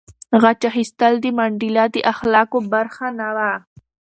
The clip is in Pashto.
غچ اخیستل د منډېلا د اخلاقو برخه نه وه.